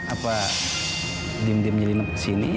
apa diam diam nyelinuk disini